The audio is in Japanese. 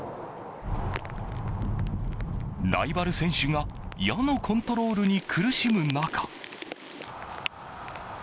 ライバル選手が矢のコントロールに苦しむ中。